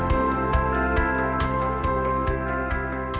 อ่า